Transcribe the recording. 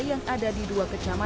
yang ada di dua kecamatan